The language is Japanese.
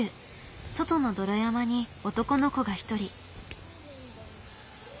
外の泥山に男の子が一人。